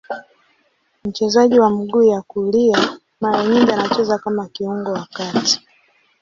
Mchezaji wa mguu ya kulia, mara nyingi anacheza kama kiungo wa kati.